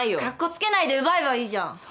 カッコつけないで奪えばいいじゃん。